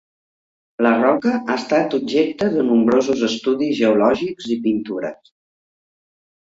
La roca ha estat objecte de nombrosos estudis geològics i pintures.